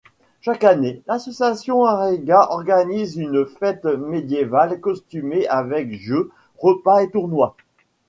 Chaque année, l'association Areghat organise une fête médiévale costumée avec jeux, repas et tournois.